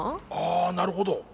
あなるほど。